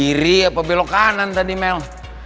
kiri apa belok kanan tadi mel